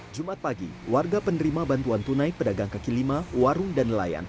jumat pagi warga penerima bantuan tunai pedagang kaki lima warung dan nelayan